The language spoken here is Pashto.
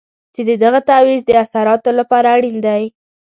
چې د دغه تعویض د اثراتو لپاره اړین دی.